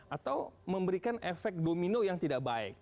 atau memberikan efek domino yang tidak baik